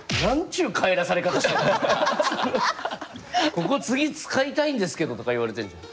「ここ次使いたいんですけど」とか言われてるじゃん。